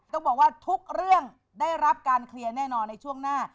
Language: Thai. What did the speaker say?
ต้องบอกว่าทุกเรื่องได้รับการเคลียร์แน่นอนในช่วงหน้า